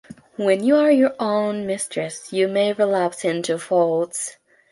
When you are your own mistress, you may relapse into faults.